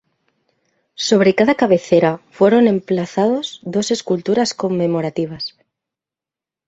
Sobre cada cabecera, fueron emplazados dos esculturas conmemorativas.